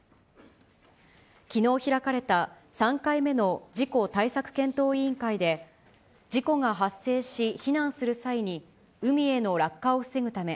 きのう開かれた３回目の事故対策検討委員会で、事故が発生し、非難する際に、海への落下を防ぐため、